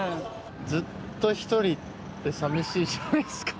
ずっと１人ってさみしいじゃないですか。